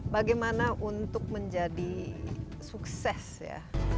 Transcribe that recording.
bagaimana untuk menjadi sukses ya